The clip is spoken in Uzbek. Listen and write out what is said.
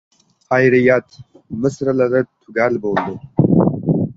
Xayriyat, misralari tugal bo‘ldi.